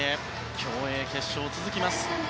競泳決勝、続きます。